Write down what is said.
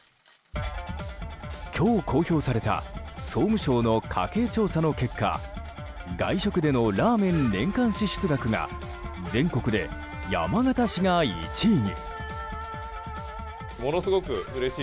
今日、公表された総務省の家計調査の結果外食でのラーメン年間支出額が全国で山形市が１位に。